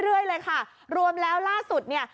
เรื่อยเลยค่ะรวมแล้วล่าสุดเนี่ย